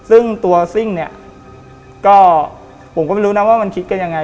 ซึ่งตัวซิ่งเนี่ยก็ผมก็ไม่รู้นะว่ามันคิดกันยังไง